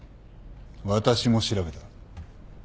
私も調べた。